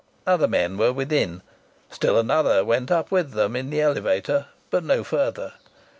Other men were within. Still another went up with them in the elevator, but no further.